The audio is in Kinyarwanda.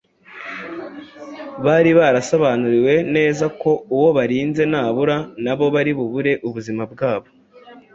Byari byarasobanuwe neza ko uwo barinze nabura nabo bari bubure ubuzima bwabo,